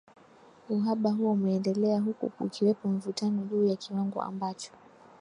uhaba huo umeendelea huku kukiwepo mivutano juu ya kiwango ambacho